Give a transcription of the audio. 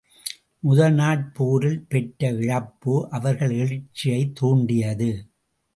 முதல் நாட் போரில் பெற்ற இழப்பு அவர்கள் எழுச்சியைத் தூண்டியது.